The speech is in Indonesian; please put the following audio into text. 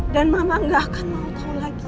dan mama nggak akan mau kau lagi